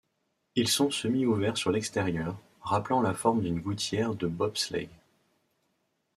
Ils sont semi-ouverts sur l'extérieur, rappelant la forme d'une gouttière de bobsleigh.